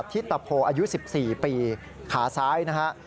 ที่ตะโพอายุ๑๔ปีขาซ้ายนะครับ